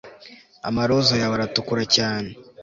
amaroza yawe aratukura cyane